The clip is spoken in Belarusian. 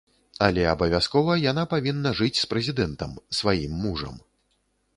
Але абавязкова яна павінна жыць з прэзідэнтам, сваім мужам.